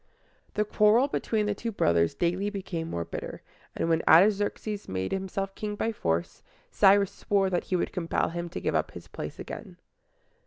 The quarrel between the two brothers daily became more bitter; and when Artaxerxes made himself king by force, Cyrus swore that he would compel him to give up his place again.